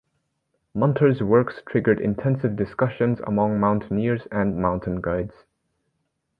Munter's works triggered intensive discussions among mountaineers and mountain guides.